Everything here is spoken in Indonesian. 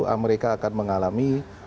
amerika akan mengalami